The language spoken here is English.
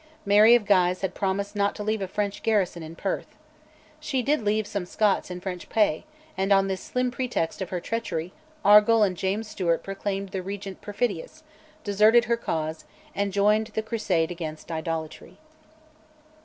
Mary of Guise had promised not to leave a French garrison in Perth. She did leave some Scots in French pay, and on this slim pretext of her treachery, Argyll and James Stewart proclaimed the Regent perfidious, deserted her cause, and joined the crusade against "idolatry."